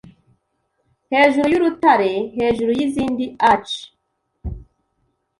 Hejuru y'urutare hejuru yizindi arch